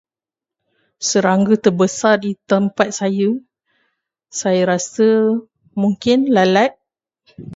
Serangga terbesar di tempat saya, saya rasa mungkin lalat.